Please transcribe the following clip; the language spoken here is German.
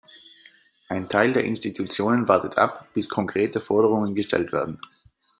Ein Teil der Institutionen wartet ab, bis konkrete Forderungen gestellt werden.